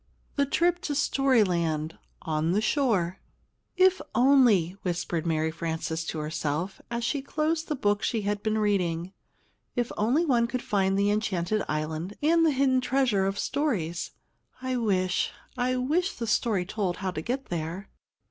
THE TRIP TO STORY ISLAND I ON THE SHORE "IF only " whispered Mary Frances to herself, as she closed the book she had been reading, "if only one could find the 'enchanted island,' and the 'hidden treasure of stories' I wish I wish the story told how to get there!"